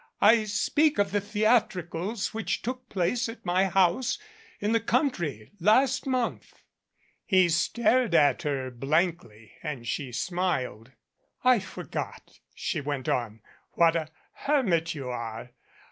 I speak of the theatricals which took place at my house in the country last month." He stared at her blankly and she smiled. "I forgot," she went on, "what a hermit you are.